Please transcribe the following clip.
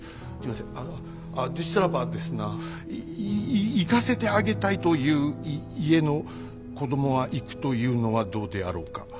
あのでしたらばですない行かせてあげたいという家の子供は行くというのはどうであろうか。